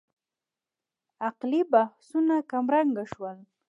عقلي مبحثونه کمرنګه شول.